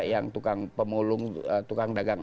yang tukang pemulung tukang dagang